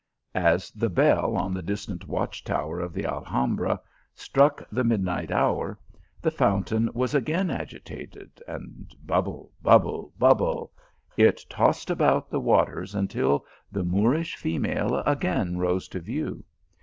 As the bell on the distant watch tower of the Alhambra struck the midnight hour, the fountain was again agitated, and bubble bubble bubble, it tossed about the waters until the Moorish female again rose to view.